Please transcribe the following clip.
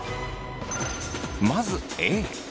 まずＡ。